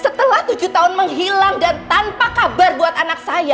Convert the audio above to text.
setelah tujuh tahun menghilang dan tanpa kabar buat anak saya